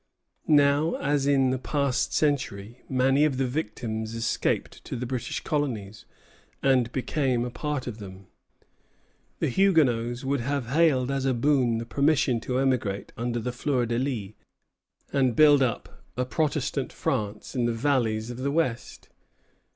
Now, as in the past century, many of the victims escaped to the British colonies, and became a part of them. The Huguenots would have hailed as a boon the permission to emigrate under the fleur de lis, and build up a Protestant France in the valleys of the West.